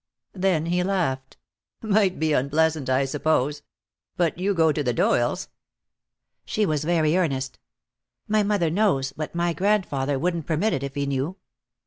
Then he laughed. "Might be unpleasant, I suppose. But you go to the Doyles'." She was very earnest. "My mother knows, but my grandfather wouldn't permit it if he knew."